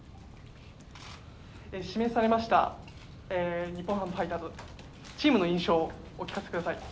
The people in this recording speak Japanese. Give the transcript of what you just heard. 指名されました日本ハムファイターズ、チームの印象をお聞かせください。